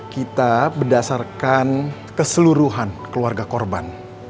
kita berdasarkan keseluruhan keluarga korban